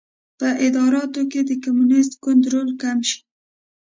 په اداراتو کې د کمونېست ګوند رول کم شي.